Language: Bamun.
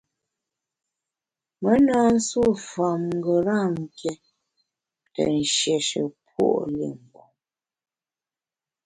Me na nsuo fam ngeram ké te nshiéshe puo’ li mgbom.